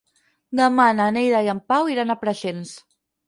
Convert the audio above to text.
Demà na Neida i en Pau iran a Preixens.